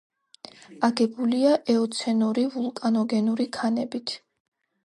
აგებულია ეოცენური ვულკანოგენური ქანებით.